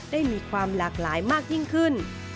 ได้มีความหลากหลายมากยิ่งขึ้น